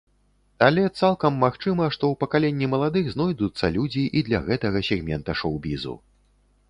Але, цалкам магчыма, што ў пакаленні маладых знойдуцца людзі і для гэтага сегмента шоў-бізу.